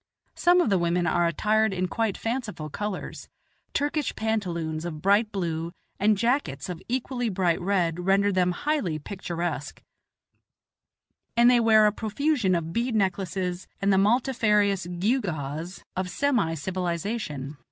Some of the women are attired in quite fanciful colors; Turkish pantaloons of bright blue and jackets of equally bright red render them highly picturesque, and they wear a profusion of bead necklaces and the multifarious gewgaws of semi civilization.